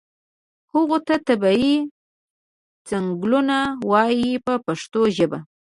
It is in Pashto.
هغو ته طبیعي څنګلونه وایي په پښتو ژبه.